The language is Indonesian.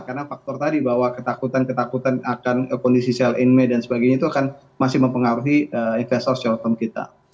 karena faktor tadi bahwa ketakutan ketakutan akan kondisi sell in may dan sebagainya itu akan masih mempengaruhi investor short term kita